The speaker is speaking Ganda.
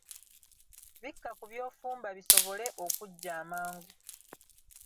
Bikka ku by'ofumba bisobole okujja amangu.